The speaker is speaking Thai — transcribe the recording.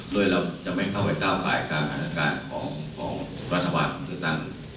โดยเราจะไม่เข้าไปเต้ากายการอาณาจารย์ของรัฐวัฒน์หรือตังค์